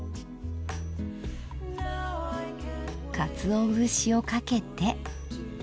かつお節をかけて。